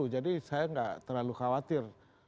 jadi saya tidak terlalu khawatir